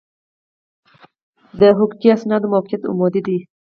د حقوقي اسنادو موقعیت عمودي دی.